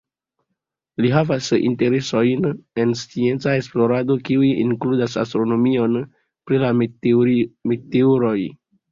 Li havas interesojn en scienca esplorado, kiuj inkludas astronomion pri la meteoroj.